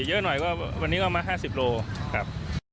เยอะหน่อยก็วันนี้ก็มา๕๐โลครับ